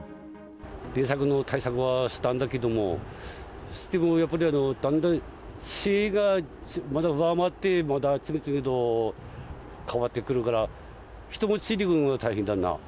電気柵の対策はしたんだけども、それでもやっぱり、だんだん知恵がまた上回って、また次々と変わってくるから、人がついていくのが大変だな。